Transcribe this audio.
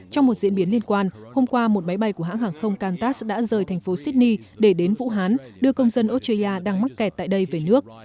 trong một diễn biến liên quan hôm qua một máy bay của hãng hàng không kantas đã rời thành phố sydney để đến vũ hán đưa công dân australia đang mắc kẹt tại đây về nước